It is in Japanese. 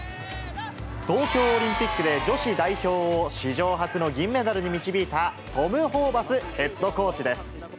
東京オリンピックで女子代表を史上初の銀メダルに導いた、トム・ホーバスヘッドコーチです。